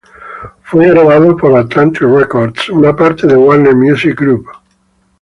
Fue grabado por Atlantic Records, una parte de Warner Music Group.